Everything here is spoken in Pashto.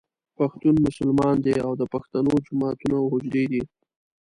پښتون مسلمان دی او د پښتنو جوماتونه او حجرې دي.